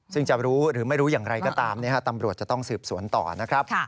ซึ่งจะรู้หรือไม่รู้อย่างไรก็ตามตำรวจจะต้องสืบสวนต่อนะครับ